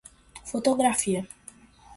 fotográfica